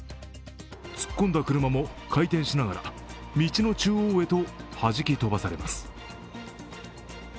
突っ込んだ車も回転しながら道の中央へとはじき飛ばされます。